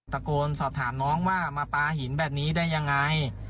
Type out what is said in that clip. ตะโกนสอบถามน้องว่ามาปลาหินแบบนี้ได้ยังไง